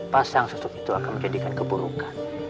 pasang susuk itu akan menjadikan keburukan